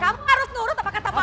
kamu harus nurut apa kata mama